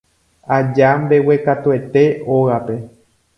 aja mbeguekatuete ógape